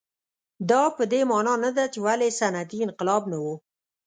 دا په دې معنا نه ده چې ولې صنعتي انقلاب نه و.